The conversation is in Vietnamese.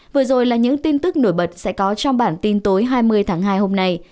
vừa rồi là những tin tức nổi bật sẽ có trong bản tin tối hai mươi tháng hai hôm nay